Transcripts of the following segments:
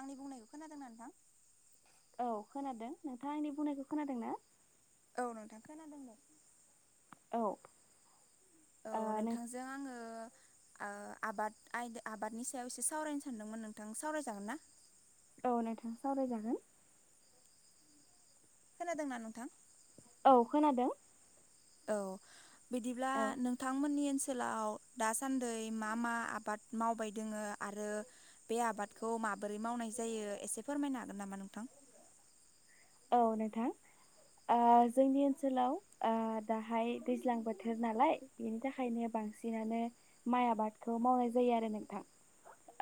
आंनि बुंनायखौ खोनादोंना नोंथां? औ खोनादों नोंथाङ आंनि बुंनायखौ खोनादों ना? औ नोंथां खोनादों दे औ ओ औ नों नोंथांजों आङो आ आबाद आय आबादनि सायाव एसे सावरायनो सानदोंमोन नोंथां सावरायजागोन ना? औ नोंथां सावरायजागोन। खोनादोंना नोंथां? औ खोनादों। औ बिदिब्ला औ नोंथांमोननि ओनसो ओनसोलाव दासान्दि मा मा आबाद मावबाय दोङो आरो बे आबादखौ माब बोरै मावनाय जायो एसे फोरमायनो हागोन नामा नोंथां? ओ नोंथां ओ जोंनि ओनसोलाव ओ दाहाय दैज्लां बोथोर नालाय बेनि थाखायनो बा बांसिनानो माइ आबादखौ मावनाय जायो आरो नोंथां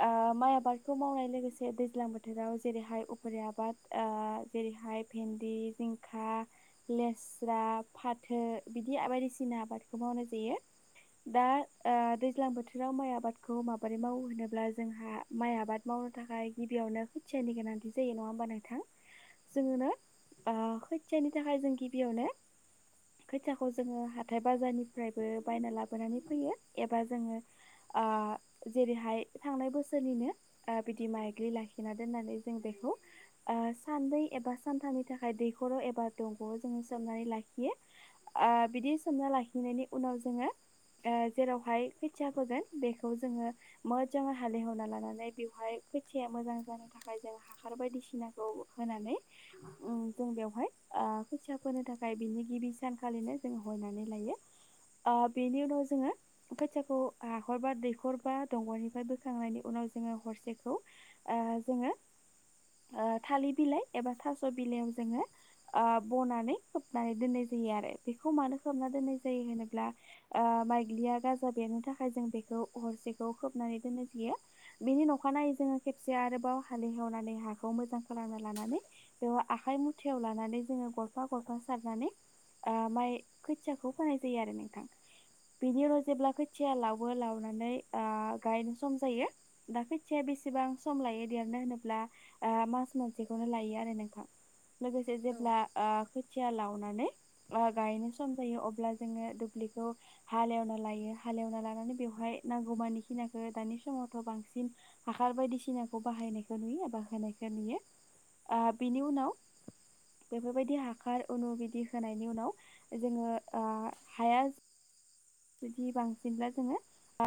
ओ माइ आबादखौ मावनाय लोगोसे दैज्लां बोथोराव जेरैहाय उख्रि आबाद ओ जेरैहाय हाय भेन्दि जिंखा लेस्रा फाथो बिदि बायदिसिना आबाद खौ मावनाय जायो। दा ओ दैज्लां बोथोराव माइ आबादखौ माबोरै मावो होनोब्ला जोंहा माइ आबाद माव वनो थाखाय गिबियावनो खुथियानि गोनांथि जायो नङा होमबा नोंथां? जोङो ना ओ खोथियानि थाखाय जों गिबियावनो। खोथियाखौ जोङो हाथाय बाजारनिफ्रायबो बायना लाबोनानै फैयो एबा जोङो आ जेरैहाय थांनाय बोसोरनिनो ओ बिदि माइग्लि लाखिना दोन्नानै जों बे खौ ओ सानदै एबा सानथामनि थाखाय दैखर' एबा दंग'आव जोङो सोमनानै लाखियो आ बिदि सोमना लाखिनायनि उनाव जोङो। ओ जेरावहाय खोथिया फोगोन बेखौ जोङो मोजाङै हालेवना लानानै बेवहाय। खोथिया मोजां जानो थाखाय जों हाखार बायदिसिनाखौ होनानै। उम जों बेवहाय खोथिया फोनो थाखाय बिनि गिबि सानखालिनो जों हरनानै लायो। [unintelligible] ओ बेनि उनाव जोङो खोथियाखौ हाखर बा दैखर बा दंगलनिफ्राय बोखांनायनि उनाव नाव जोङो हरसेखौ ओ जोङो ओ थालि बिलाइ। एबा थास' बिलाइयाव जोङो ओ बनानै खोबनानै दोननाय जायो आरो बेखौ मानो खोबना दोननाय जायो होनोब्ला ओ माइग्लिया गाजा बेरनो थाखाय जों बेखौ हरसेखौ खोबनानै दोन [unintelligible] बिनि न'खानाय जोङो खेबसे आरोबाव हालेवनानै हाखौ मोजां खालामना लानानै। बेव आखाइ मुथायाव लानानै जोङो गरफा-गरफा सारनानै। ओ माइ खोथियाखौ फोनाय जायो आरो नोंथां। बेनि उनाव जेब्ला खोथिया लावो लावनानै ओ गायनो सम जायो दा खोथिया बे एसेबां सम लायो देरनो होनोब्ला ओ मास मोनसेखौनो लायो आरो। रो नोंथां लोगोसे औ जेब्ला ओ खो थिया लावनानै ओ गायनो सम जायो अब्ला जोङो दुब्लिखौ हालेवना लायो हा हालेवना लानानै बेवहाय नांगौमानि खिनाखो दानि समावथ' बांसिन हाखार बायदिसिनाखौ बाहाय नारखौ नुयो बाहायनायखो नुयो ओ बिनि उनाव बेफोरबायदि हाखार उनाव बिदि होनायनि उनाव जोङो ओ हाया जुदि बांसिनब्ला जोङो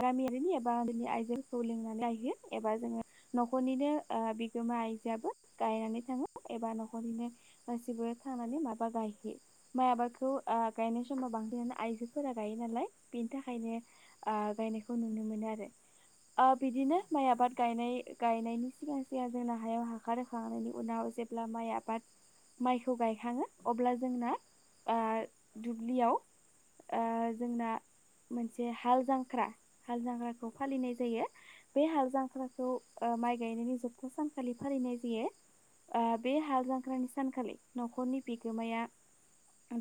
गामियारिनि एबानि आइजोखौ लिनानै लाइयो एबा जोङो न'खरनिनो ओ बिगोमा आइजोआबो गायनानै थाङो एबा न'खरनिनो गासिबो। थांनानै माबा गायहै मायाबा गु आबादखौ गायनाय समाव बांसिनानो आइजोफोरा गायो नालाय। बेनि थाखायनो ओ गायनायखौ नुनो मोनो आरो। ओ बिदिनो माइ आबाद गाय गायनायनि सिगां सिगां जोंना हायाव हाखार होखांनायनि उनाव। जेब्ला माइ आबाद। माइखौ गायखाङो अब्ला जोंना ओ दुब्लियाव। ओ जोंना। मोनसे हाल जांख्रा हाल जांख्राखौ फालिनाय जायो बे हाल जांख्राखौ। ओ माइ गायनायनि जोबथा सानखालि फालिनाय जायो। ओ बे हाल जांख्रानि सानखालि न'खरनि बिगोमाया।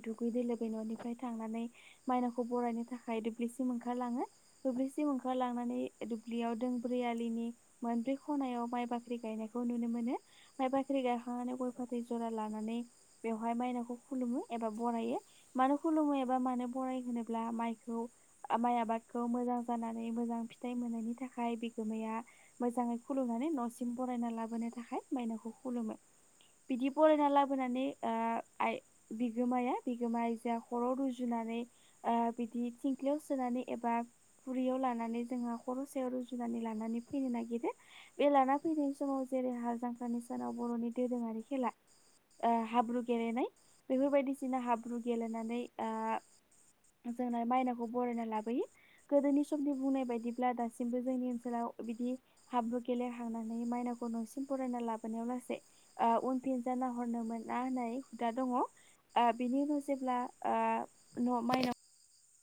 दुगैदो लोबैनो न'निफ्राय थांनानै मायनावखौ बरायनो थाख हाय दुब्लिसिम ओंखारलांङो दुब्लिसिम ओंखारलांनानै दुब्लियाव दोंब्रै आलिनि मोन ब्रै खनायाव माइ बाख्रि गायनायखौ नुनो मोनो माइ बाख्रि गायखांनानै गय फाथै जरा लानानै। बेवहाय मायनावखौ खुलुमो एबा बरायो मानो खुलुमो एबा मानो बराय होनोब्ला माइ खौ ओ माइ आबादखौ मोजां जानानै मोजां फिथाइ मोननायनि थाखाय बिगोमाया मोजां खुलुमनानै न'सिम बरायना लाबोनो थाखाय मायनावखौ खुलुमो। बिदि बरायना लाबोनानै ओ आइ बिगोमाया बिगोमा आइजोआ खर' रुजुना नानै आ बिदि। थिंख्यियाव सोनानै एबा खुरैयाव लानानै जोंहा खर' सायाव रुजुननानै लानानै फैनो नागिरो। बे लाना फैनायनायनि समाव जेरै हाल जांख्रानि सानाव बर'नि दोरोंङारि खेला। ओ हाब्रु गेलेनाय बेफोरबायदिसिना हाब्रु गेलेनानै आ जोंना माइनाव। खौ बरायना लाबोयो गोदोनि समनि बुंनाय बायदिब्ला दासिमबो जोंनि ओनसोलाव बिदि हाब्रु गेलेहांनानै माइनावखौ न'सिम बरायना लाबोनायाव लासै उनफिन जाना हरनो मोना होन नाय हुदा दंङ आ बेनि उनाव जेब्ला आ न' माइनाव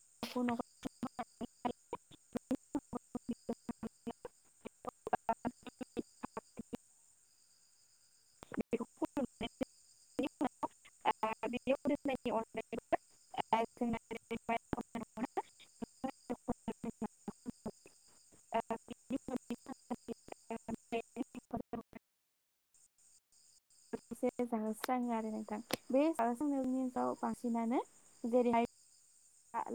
[inaudible] [unintelligible] [inaudible] [unintelligible] [inaudible] [unintelligible] [inaudible] [unintelligible] [inaudible] [unintelligible] [inaudible] [unintelligible] से जाहोस्रांङों आरो नोंथां बे जाहोस्रांनायनि उनाव बांसिनानो जेरैहाय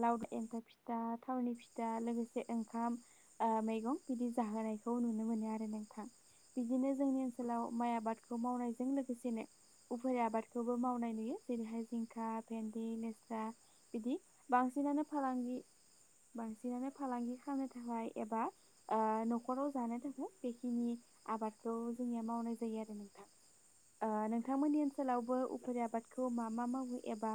लावदुम एन्थाब फिथा थावनि फिथा लोगोसे ओंखाम आ मैगं बिदि जाहो। जायखौ नुनो मोनो आरो नोंथां बिदिनो जोंनि ओनसोलाव माइ आबादखौ मावनायजों लोगोसेनो उफेर आबादखौबो मावनाय नुयो जेरैहाय जिंखा भेन्दि निस्ला बिदि बांसिनानो फालांगि बांसिनानो फालांगि खालामनो थाखाय एबा ओ न'खराव जानो थाखाय बेखिनि आबादखौ जोंनिया मावनाय जायो आरो नोंथां ओ नोंथांमोननि ओनसोलावबो उफ्रि आबादखौ मा मा मावो? एबा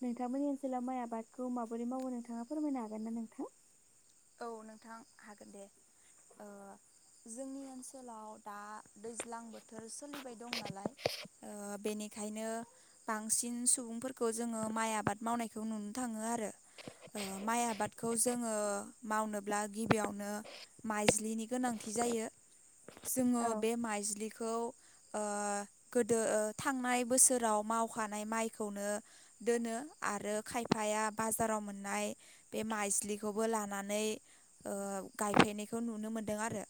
ए नोंथांमोननि ओनसोलाव माइ आबादखौ माबोरै मावो नोंथांङा फोरमायनो हागोन ना नोंथां? औ नोंथां हागोन दे ओ जोंनि ओनसोलाव दा दैज्लां बोथोर सोलिबाय दं नालाय ओ बेनि बेखायनो बांसिन सुबुंफोरखौ जोंङो माइ आबाद मावनायखौ नुनो थांङो आरो ओ माइ आबादखौ जोंङो मावनोब्ला गिबि गिबियावनो माइज्लिनि गोनांथि जायो जोंङो औ बे माइज्लि खौ खौ ओ गोदो ओ थांनाय बोसोराव मावखानाय माइखौनो दोनो आरो खायफाया बाजाराव मोननाय बे माइज्लिखौबो लानानै नै ओ गायफैनायखौ नुनो मोनदों आरो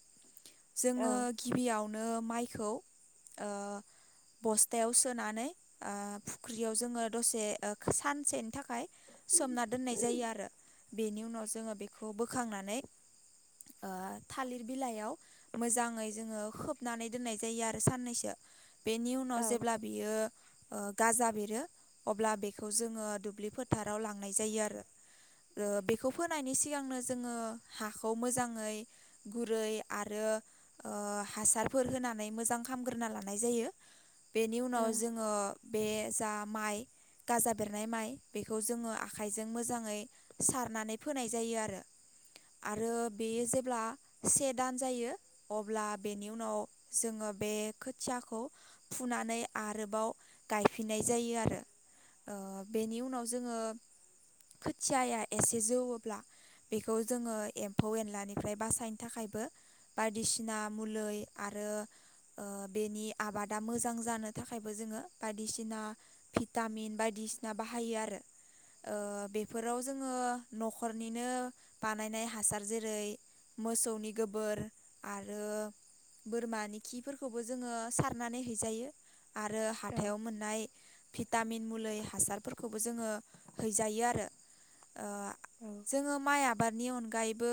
औ जोंङो गिबियाव नो माइखौ ओ बस्थायाव सोनानै ओ फुख्रियाव जोंङो दसे ओ सानसेनि थाखाय सोमना दोननाय जायो आरो बेनि उनाव जोंङो बेखौ बोखांनानै ओ थालिर बिलाइयाव मोजांङै जोंङो खोबनानै दोननाय जायो आरो साननैसो बेनि उनाव औ जेब्ला बियो ओ गाजा बेरो अब्ला बेखौ जोंङो दुब्लि फोथाराव लांनाय जायो आरो ओ बेखौ फोनायनि सि सिगांनो जोंङो हाखौ मोजांङै गुरै आरो ओ हासार फोर होनानै मोजां खामग्रोना लानाय जायो बेनि औ उनाव जोंङो बे जा माइ। गाजा बेरनाय माइ बेखौ जोङो आखाइजों मोजाङै सारनानै फोनाय जायो आरो। आरो बेयो जेब्ला से दान जायो अब्ला बेनि उनाव जोङो। बे खोथियाखौ फुनानै आरोबाव गायफिननाय जायो आरो। बेनि उनाव जोङो खोथिया एसे जौवोब्ला बेखौ जोङो एम्फौ एनलानिफ्राय बासायनो थाखायबो बायदिसिना मुलि आरो। बेनि आबादा मोजां जानो थाखायबो जोङो बायदिसिना भिटामिन बायदि बायदिसिना बाहायो आरो ओ बेफोरआव जोंङो नखर बिदिनो बानायनाय हासार जेरै मोसौनि गोबोर आरो बोरमानि खिफोरखौबो जोङो सारनानै हैजायो। आरो हाथायाव औ मोननाय भिटामिन मुलि हासारफोरखौबो जोङो हैजायो आरो। बिनि अनगायैबो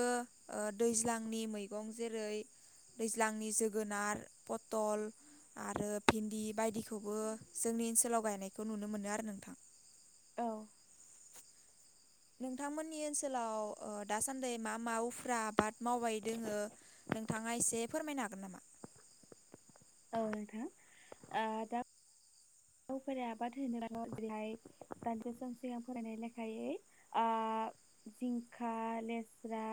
दैज्लांनि मैगं जेरै दैज्लांनि जोगोनार, पथल आरो भिन्दि बायदिखौबो जोंनि ओनसोलाव गायनायखौ नुनो मोनो आरो नोंथां। औ। नोंथांमोननि ओनसोलाव दासान्दि मा मा उफुर्रा आबाद मावबाय दोङो। नोंथाङा एसे फोरमायनो हागोन नामा? औ नोंथां दा। आबाद होनो र जेरैहाय दानज सम सिगां फरायनाय लेखायै जिंखा, लेस्रा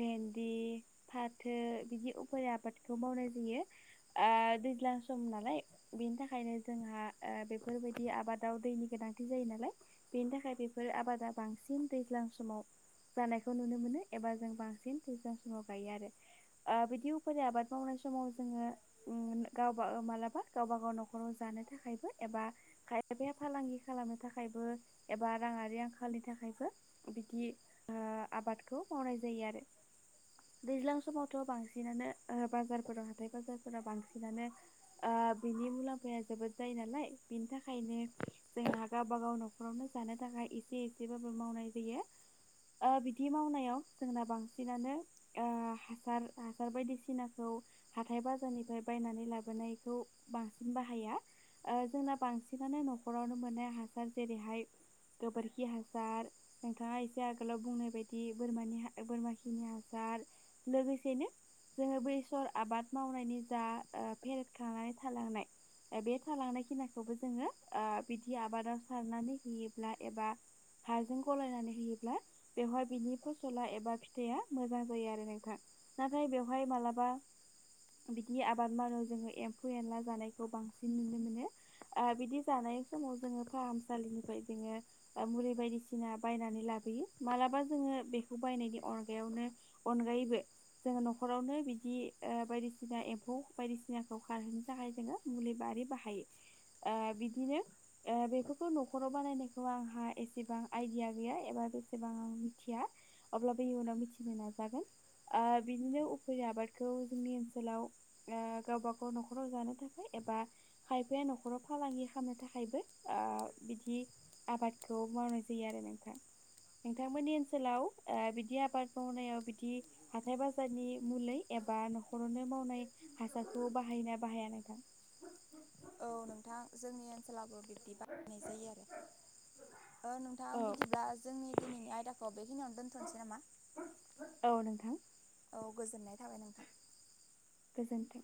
भेन्दि, फाथो बिदि उफ्रा आबादखौ मावनाय जायो। दैज्लां सम नालाय बेनि थाखायनो जोंहा बेफोर बायदि आबादाव दैनि गोनांथि जायो नालाय बेनि थाखाय बेफोर आबादा बांसिन दैज्लां समाव। जानायखौ नुनो मोनो एबा जों बांसिन दैजां समाव गायो आरो बिदि उफ्रा आबाद मावनाय बे समाव जोङो गावबा मालाबा गावबा गाव न'खराव जानो थाखायबो एबा खायफाया फालांगि खालामनो थाखायबो एबा राङारि आंखालनि थाखायबो। बिदि आबादखौ मावनाय जायो आरो। दैज्लां समावथ' बांसिनानो बाजारफोराव हाथाय बाजारफोराव बांसिनानो बिनि मुलाम्फाया जोबोद जायो नालाय। बिनि थाखायनो जोंहा गावबा गाव न'खरावनो जानो थाखाय एसे एसेबाबो मावनाय जायो। बिदि मावनायाव जोंना बांसिनानो हासार हासार बायदिसिनाखौ हाथाय बाजारनिफ्राय बायनानै लाबोनायखौ बांसिन बाहाया। जोंना बांसिनानो न'खरावनो मोननाय हासार जेरैहाय गोबोरखि हासार नोंथाङा एसे आगोलाव बुंनाय बायदि बोरमानि बोरमा खिनि हासार आरो लोगोसेनो। जोङो बेसर आबाद मावनायनि जा फेरेद खांनानै थालांनाय। बे थालांनाय खिनायखौबो जोङो बिदि आबादाव सारनानै होयोब्ला एबा हाजों गलायनानै होयोब्ला बेवहाय बिनि फसला एबा फिथाइया मोजां जायो आरो नोंथां। नाथाय बेवहाय मालाबा बिदि आबाद मावनाय जोङो एम्फौ एनला जानायखौ बांसिन नुनो मोनो। बिदि जानाय समाव जोङो फाहामसालिनिफ्राय जोङो मुलि बायदिसिना बायनानै लाबोयो मालाबा जोङो बेखौ बायनायनि अनगायावनो अनगायैबो जोङो न'खरावनो बिदि बायदिसिना एम्फौ बायदिसिनाखौ खारहोनो थाखाय जोङो मुलि बाहायो। आरि बाहायो। [inaudible] ओ बिदिनो बेफोरखौ न'खराव बानायनायखौ आंहा एसेबां आइदिया गैया एबा। एसेबां आं मिथिया अब्लाबो इयुनाव मिथिनो नाजागोन ओ बिदिनो उफेरा आबादखौ जोंनि ओनसोलाव ओ गावबा गाव नखराव जानो थाखाय बा खायफाया नखराव फालांगि खामनो थाखायबो ओ‌ बिदि आबादखौ मावनाय जायो आरो नोंथां नोंथांमोननि ओनसोलाव ओ बिदि आबाद मावनायाव बिदि हाथाय बाजारनि मुलै ए एबा नखरावनो मावनाय हासारखौ बाहायोना बाहाया नोंथां औ नोंथां जोंनि ओनसोलाबो बिदि बायनाय जायो आरो ओ नोंथां औ बिदिब्ला जोंनि दिनैनि आयदाखौ बिखिनिआवनो दोनथनोसै नामा औ नोंथां औ गोजोननाय थाबाय नोंथां गोजोन्थों